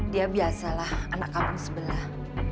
dia biasalah anak kampung sebelah